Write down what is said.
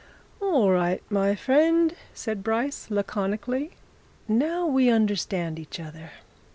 "All right, my friend," said Bryce, laconically. "Now we understand each other.